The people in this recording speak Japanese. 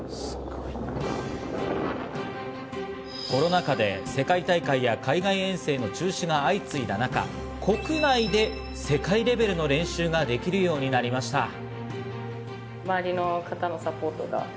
コロナ禍で世界大会や海外遠征などの中止が相次いだ中、国内で世界レベルの練習ができるようになりました。